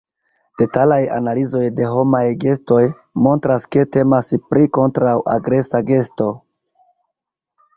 Detalaj analizoj de homaj gestoj montras ke temas pri "kontraŭ-agresa gesto".